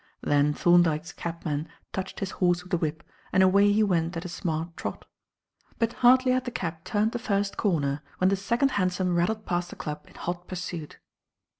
Then Thorndyke's cabman touched his horse with the whip, and away he went at a smart trot; but hardly had the cab turned the first corner when the second hansom rattled past the club in hot pursuit.